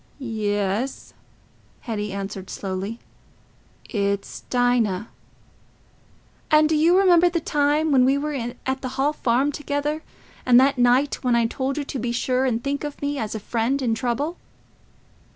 "Yes," Hetty answered slowly, "it's Dinah." "And do you remember the time when we were at the Hall Farm together, and that night when I told you to be sure and think of me as a friend in trouble?"